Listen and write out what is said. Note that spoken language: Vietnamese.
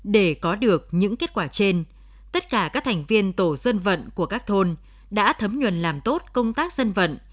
để có được những kết quả trên tất cả các thành viên tổ dân vận của các thôn đã thấm nhuần làm tốt công tác dân vận